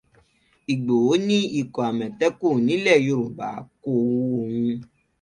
Ìgbòho ní ikọ̀ Amotekun nílẹ̀ Yorùbá kò wu òun.